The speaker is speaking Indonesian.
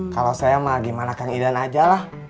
kalau saya mah gimana kan idian aja lah